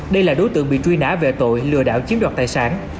đây là đối tượng bị truy nã về tội lừa đảo chiếm đoạt tài sản